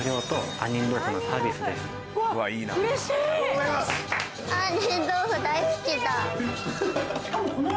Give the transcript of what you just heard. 杏仁豆腐大好きだ。